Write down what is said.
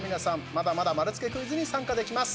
まだまだ丸つけクイズに参加できます。